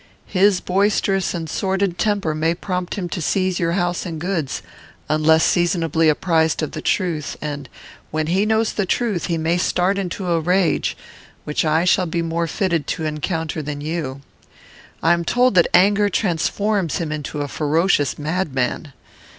His boisterous and sordid temper may prompt him to seize your house and goods, unless seasonably apprized of the truth; and, when he knows the truth, he may start into rage, which I shall be more fitted to encounter than you. I am told that anger transforms him into a ferocious madman.